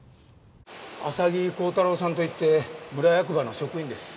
浅木浩太郎さんといって村役場の職員です。